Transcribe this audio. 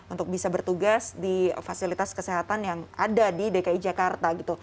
untuk bisa bertugas di fasilitas kesehatan yang ada di dki jakarta